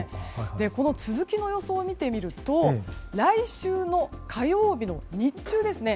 この続きの予想を見てみると来週の火曜日の日中ですね。